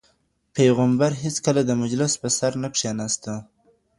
پیغمبر هیڅکله د مجلس په سر نه کښیناسته.